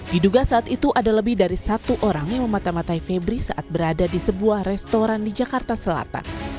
diduga saat itu ada lebih dari satu orang yang memata matai febri saat berada di sebuah restoran di jakarta selatan